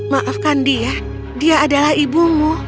maafkan dia dia adalah ibumu